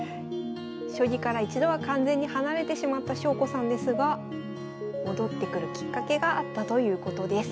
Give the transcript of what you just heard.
将棋から一度は完全に離れてしまった翔子さんですが戻ってくるきっかけがあったということです。